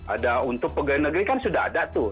ada untuk pegawai negeri kan sudah ada tuh